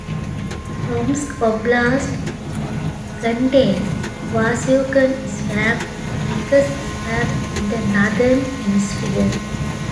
Tomsk oblast contains Vasyugan Swamp, the biggest swamp in the northern hemisphere.